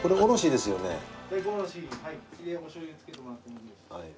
でお醤油つけてもらってもいいですし。